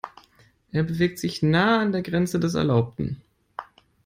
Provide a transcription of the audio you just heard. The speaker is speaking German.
Er bewegt sich nah an der Grenze des Erlaubten.